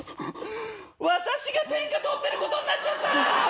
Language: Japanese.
私が天下取ってることになっちゃった！